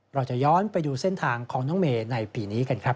เราจะย้อนไปดูเส้นทางของน้องเมย์ในปีนี้กันครับ